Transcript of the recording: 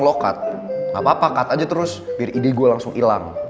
gapapa cut aja terus biar ide gue langsung ilang